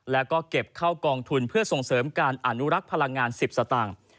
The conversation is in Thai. แล้วก็เก็บเข้ากองทุนเพื่อส่งเสริมการอนุรักษ์พลังงาน๑๐สตางค์